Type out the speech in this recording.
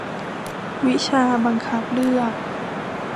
วิชาบังคับเลือก